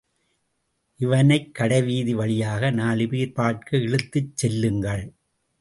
இவனைக்கடைவீதி வழியாக நாலுபேர் பார்க்க இழுத்துச் செல்லுங்கள்.